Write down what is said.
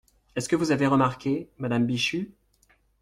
Est-ce que vous avez remarqué, madame Bichu ?